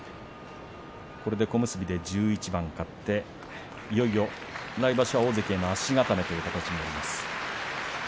これで小結で１１番勝っていよいよ、来場所大関への足固めという形になります。